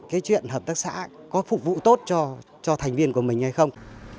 cái chuyện hợp tác xã có phục vụ tốt cho thành viên của mình hay không